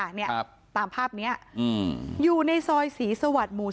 อยู่ในระง้าสีสวัสดิ์หมู่๓